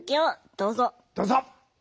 どうぞ。